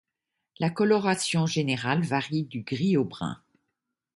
La coloration générale varie du gris au brun.